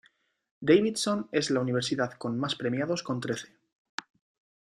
Davidson es la universidad con más premiados con trece.